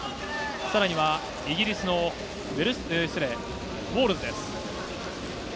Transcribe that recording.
さらにはイギリスのウォールズです。